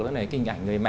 là cái hình ảnh người mẹ